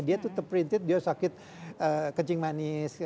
dia terpinted dia sakit kencing manis